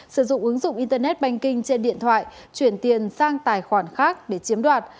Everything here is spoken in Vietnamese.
sử dụng ứng dụng internet banking trên điện thoại chuyển tiền sang tài khoản khác để chiếm đoạt